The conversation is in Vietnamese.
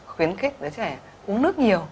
khuyến khích đứa trẻ uống nước nhiều